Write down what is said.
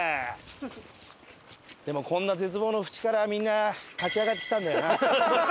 でもこんな絶望の淵からみんな勝ち上がってきたんだよな。